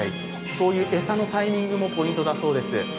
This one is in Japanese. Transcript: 餌のタイミングもポイントだそうです。